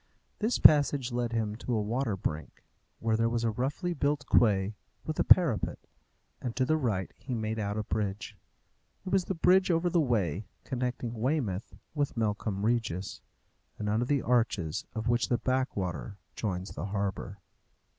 This passage led him to a water brink, where there was a roughly built quay with a parapet, and to the right he made out a bridge. It was the bridge over the Wey, connecting Weymouth with Melcombe Regis, and under the arches of which the Backwater joins the harbour.